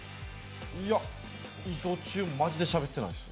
いや移動中マジでしゃべってないです。